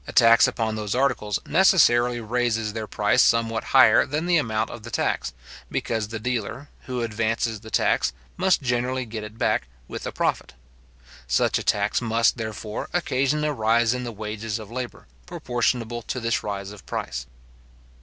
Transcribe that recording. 8} A tax upon those articles necessarily raises their price somewhat higher than the amount of the tax, because the dealer, who advances the tax, must generally get it back, with a profit. Such a tax must, therefore, occasion a rise in the wages of labour, proportionable to this rise of price.